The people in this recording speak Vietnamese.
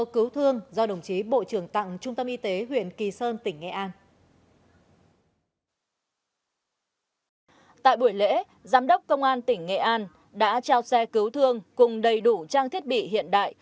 công an tỉnh nghệ an đã trao xe cứu thương cùng đầy đủ trang thiết bị hiện đại